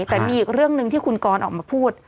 แต่มีอีกเรื่องหนึ่งที่คุณกรออกมาพูด